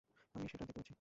আমি সেটা দেখতে পাচ্ছি।